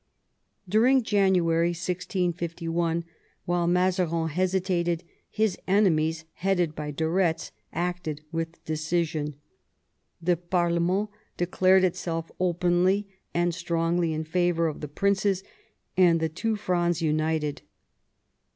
During January 1651, while Mazarin hesitated, his enemies, headed by de Ketz, acted with decision. The parlement declared itself openly and strongly in favour, of the princes, and the two Frondes united.